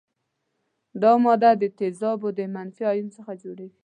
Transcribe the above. دا ماده د تیزابو د منفي ایون څخه جوړیږي.